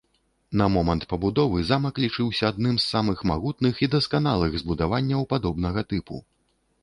На момант пабудовы замак лічыўся адным з самых магутных і дасканалых збудаванняў падобнага тыпу.